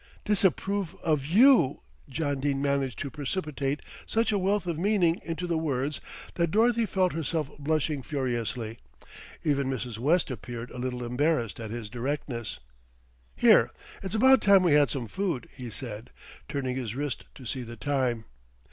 "Disapprove of you!" John Dene managed to precipitate such a wealth of meaning into the words that Dorothy felt herself blushing furiously. Even Mrs. West appeared a little embarrassed at his directness. "Here, it's about time we had some food," he said, turning his wrist to see the time.